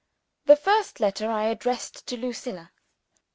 The first letter I addressed to Lucilla.